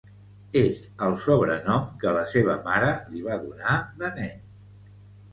És el sobrenom que la seva mare li va donar de nen.